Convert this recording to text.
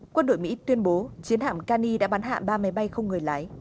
quân đội mỹ tuyên bố chiến hạm kani đã bắn hạ ba máy bay không người lái